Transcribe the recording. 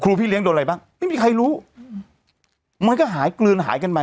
พี่เลี้ยโดนอะไรบ้างไม่มีใครรู้มันก็หายกลืนหายกันไป